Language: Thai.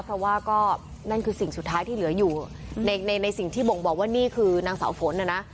เพราะว่าก็นั่นคือสิ่งสุดท้ายที่เหลืออยู่ในสิ่งที่บ่งบอกว่านี่คือนางสาวฝนนะนะ